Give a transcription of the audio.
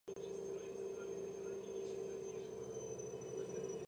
ბრუნელესკის შემოქმედება არქიტექტურის ისტორიაში ახალი ხანის დაწყებას მოასწავებდა.